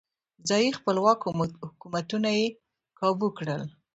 ځايي خپلواک حکومتونه یې کابو کړل.